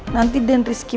nanti dan rizky